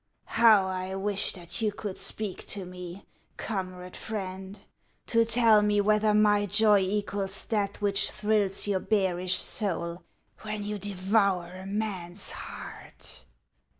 How I wish that you could speak to me, comrade Friend, to tell me whether my joy equals that which thrills your bearish soul when you devour a man's heart.